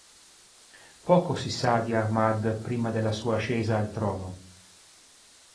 Poco si sa di Ahmad prima della sua ascesa al trono.